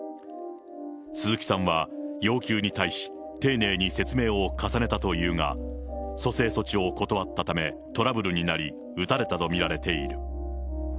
鈴木さんは要求に対し、丁寧に説明を重ねたというが、蘇生措置を断ったため、トラブルになり、撃たれたと見られている。